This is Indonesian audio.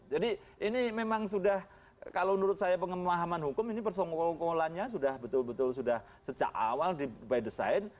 jadi ini memang sudah kalau menurut saya pengamahaman hukum ini persengkolannya sudah betul betul sudah sejak awal by the sign